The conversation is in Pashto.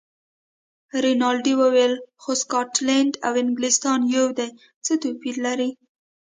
رینالډي وویل: خو سکاټلنډ او انګلیستان یو دي، څه توپیر لري.